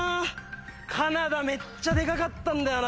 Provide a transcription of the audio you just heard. カナダめっちゃでかかったんだよな。